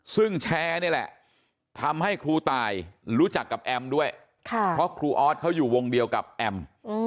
ซึ่งแชร์นี่แหละทำให้ครูตายรู้จักกับแอมด้วยเพราะครูออสเขาอยู่วงเดียวกับแอม